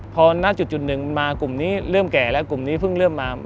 พอหน้าจุดหนึ่งมากลุ่มนี้เริ่มแก่แล้วกลุ่มนี้เพิ่งเริ่มมา